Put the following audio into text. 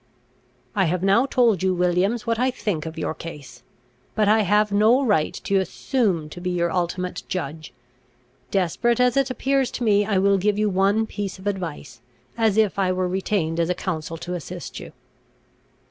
"I have now told you, Williams, what I think of your case. But I have no right to assume to be your ultimate judge. Desperate as it appears to me, I will give you one piece of advice, as if I were retained as a counsel to assist you.